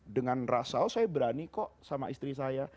dengan rasa oh saya berani kok sama istri saya